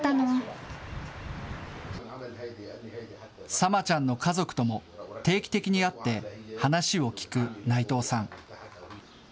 サマちゃんの家族とも定期的に会って、話を聞く内藤さん。